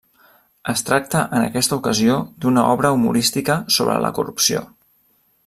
Es tracta en aquesta ocasió d'una obra humorística sobre la corrupció.